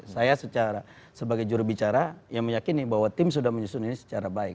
saya sebagai jurubicara yang meyakini bahwa tim sudah menyusun ini secara baik